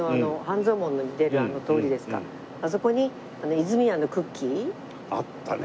あそこに泉屋のクッキー？あったね。